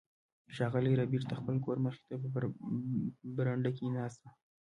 ښاغلی ربیټ د خپل کور مخې ته په برنډه کې ناست و